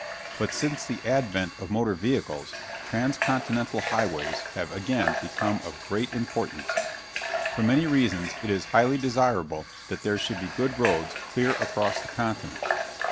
But since the advent of motor vehicles, transcontinental highways have again become of great importance. For many reasons it is highly desirable that there should be good roads clear across the continent.